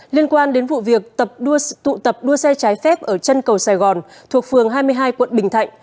liên quan đến vụ việc tụ tập đua xe trái phép ở chân cầu sài gòn thuộc phường hai mươi hai quận bình thạnh